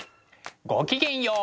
ごきげんよう。